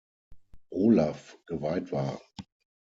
Olav geweiht war.